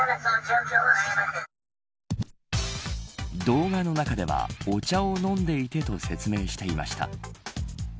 動画の中ではお茶を飲んでいてと説明していました。